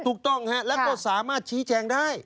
ถูกต้องฮะแล้วก็สามารถชี้แจงได้